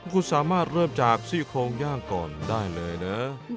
คุณสามารถเริ่มจากซี่โครงย่างก่อนได้เลยนะ